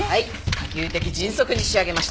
可及的迅速に仕上げました。